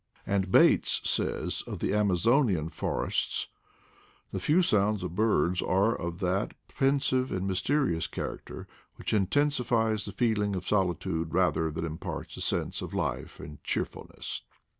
And Bates says of the Amazonian for ests, "The few sounds of birds are of that pen sive and mysterious character which intensifies the feeling of solitude rather than imparts a sense of life and cheerfulness."